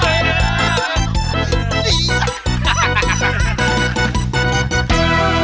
ไม่เลิก